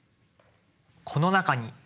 この中に。